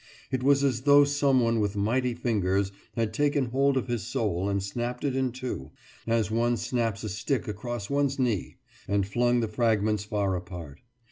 It was as though someone with mighty fingers had taken hold of his soul and snapped it in two, as one snaps a stick across one's knee, and flung the fragments far apart.